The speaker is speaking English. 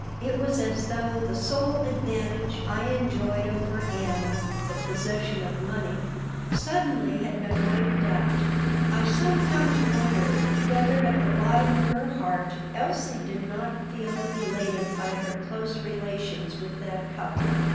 It was as though the sole advantage I enjoyed over Anna the possession of money suddenly had been wiped out I sometimes wondered whether at the bottom of her heart Elsie did not feel elated by her close relations with that couple.